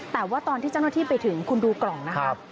แต่ว่าตอนที่เจ้าหน้าที่ไปถึงคุณดูกล่องนะครับ